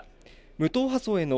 無党派層への